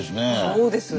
そうです。